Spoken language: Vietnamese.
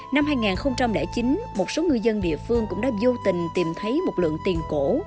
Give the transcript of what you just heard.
năm hai nghìn chín một số ngư dân địa phương cũng đã vô tình tìm thấy một lượng tiền cổ